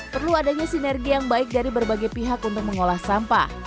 perlu adanya sinergi yang baik dari berbagai pihak untuk mengolah sampah